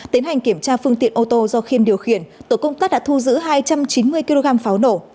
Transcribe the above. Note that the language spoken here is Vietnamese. tiến hành kiểm tra phương tiện ô tô do khiêm điều khiển tổ công tác đã thu giữ hai trăm chín mươi kg pháo nổ